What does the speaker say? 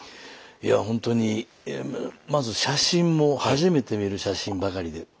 いやほんとにまず写真も初めて見る写真ばかりで。